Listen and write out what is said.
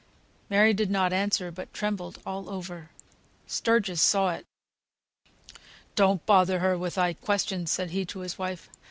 Mary did not answer, but trembled all over. Sturgis saw it. "Don't bother her with thy questions," said he to his wife.